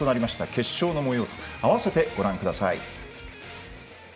決勝のもようを併せてご覧ください。